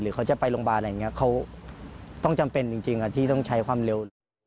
เขาจะไปโรงพยาบาลอะไรอย่างนี้เขาต้องจำเป็นจริงที่ต้องใช้ความเร็ว